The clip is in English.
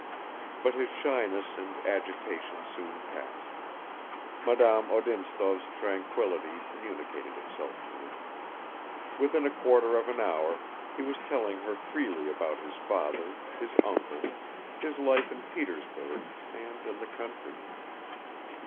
But his shyness and agitation soon passed; Madame Odintsov's tranquillity communicated itself to him; within a quarter of an hour he was telling her freely about his father, his uncle, his life in Petersburg and in the country.